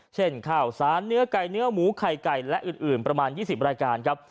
เช่นข้าวสารเนื้อไก่เนื้อหมูไข่ไก่และอื่นประมาณ๒๐รายการครับ